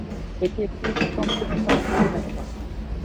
এটি একটি সম্পূর্ণ স্বয়ংক্রিয় নেটওয়ার্ক।